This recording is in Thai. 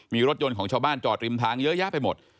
มีรถยนต์ของชาวบ้านจอดริมทางเยอะแยะไปหมด